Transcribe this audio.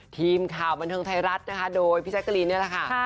ทีมข่าวบันทึงไทยรัฐโดยพี่แจ๊คกะลินเนี่ยแหละค่ะ